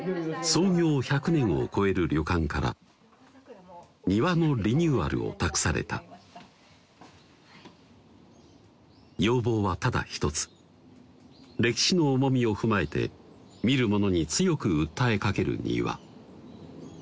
創業１００年を超える旅館から庭のリニューアルを託された要望はただ一つ歴史の重みを踏まえて見る者に強く訴えかける庭